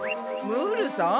ムールさん？